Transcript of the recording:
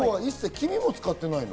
黄身も使ってないの？